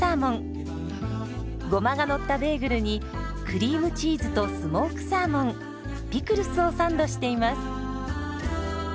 ゴマがのったベーグルにクリームチーズとスモークサーモンピクルスをサンドしています。